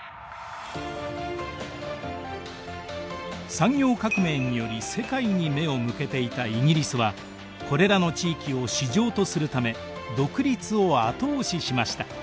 産業革命により世界に目を向けていたイギリスはこれらの地域を市場とするため独立を後押ししました。